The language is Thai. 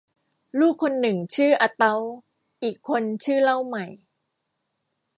ลูกคนหนึ่งชื่ออาเต๊า อีกคนชื่อเล่าใหม่